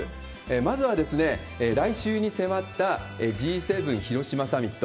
まずは来週に迫ったＧ７広島サミット。